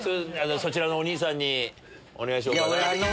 そちらのお兄さんお願いしよう。